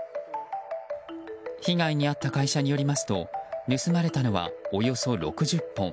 被害に遭った会社によりますと盗まれたのはおよそ６０本。